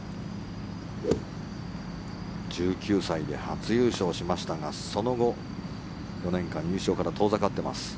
１９歳で初優勝しましたがその後、４年間優勝から遠ざかっています。